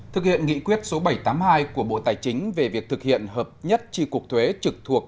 thực hiện nghị quyết số bảy trăm tám mươi hai của bộ tài chính về việc thực hiện hợp nhất tri cuộc thuế trực thuộc